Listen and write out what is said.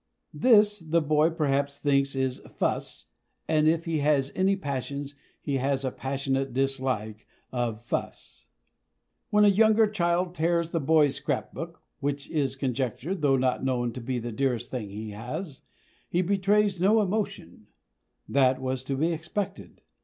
This, the boy perhaps thinks, is "fuss," and, if he has any passions, he has a passionate dislike of fuss. When a younger child tears the boy's scrapbook (which is conjectured, though not known, to be the dearest thing he has) he betrays no emotion; that was to be expected.